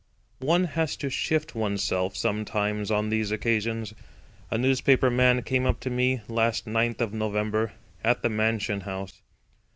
One has to shift oneself, sometimes, on these occasions. A newspaper man came up to me last Ninth of November at the Mansion House.